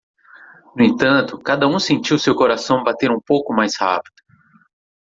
No entanto, cada um sentiu seu coração bater um pouco mais rápido.